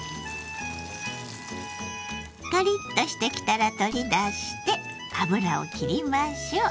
カリッとしてきたら取り出して油をきりましょう。